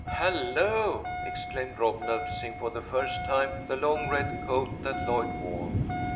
"Hello!" exclaimed Rob, noticing for the first time the long red coat that Lloyd wore.